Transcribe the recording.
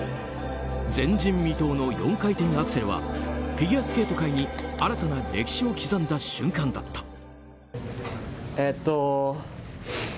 前人未到の４回転アクセルはフィギュアスケート界に新たな歴史を刻んだ瞬間だった。